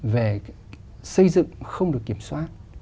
về xây dựng không được kiểm soát